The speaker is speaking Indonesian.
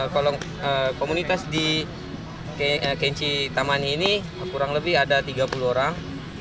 kalau komunitas di kenchi tamani ini kurang lebih ada tiga puluh orang